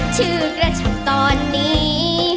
ชื่อกระฉันตอนนี้